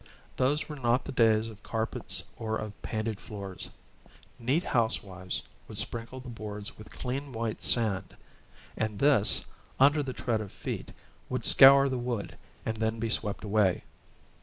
Those were not the days of carpets or of painted floors. Neat housewives would sprinkle the boards with clean white sand; and this, under the tread of feet, would scour the wood and then be swept away.